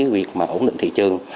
việc ổn định thị trường